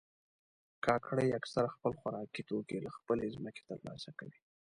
کاکړي اکثره خپل خوراکي توکي له خپلې ځمکې ترلاسه کوي.